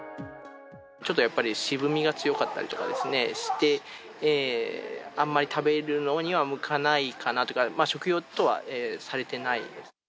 ちょっとやっぱり渋みが強かったりですとかして、あんまり食べるのには向かないかなというか、食用とはされてない。